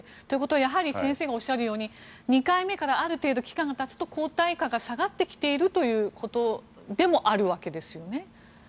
ということはやはり先生がおっしゃるように２回目からある程度期間が立つと抗体価が下がってきているということでもあるんですよね。